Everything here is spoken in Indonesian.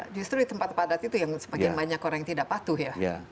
justru di tempat padat itu yang semakin banyak orang yang tidak patuh ya